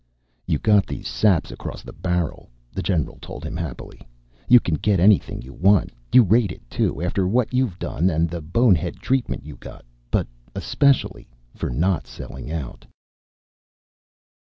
"You got these saps across the barrel," the general told him happily. "You can get anything you want. You rate it, too, after what you've done and the bonehead treatment you got but especially for not selling out."